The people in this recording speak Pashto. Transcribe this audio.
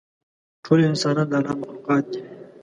ټول انسانان د الله مخلوقات دي.